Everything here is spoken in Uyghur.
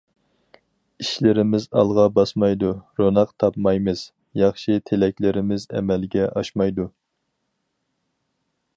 ئىشلىرىمىز ئالغا باسمايدۇ، روناق تاپمايمىز، ياخشى تىلەكلىرىمىز ئەمەلگە ئاشمايدۇ.